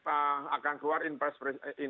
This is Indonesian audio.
akan keluar impress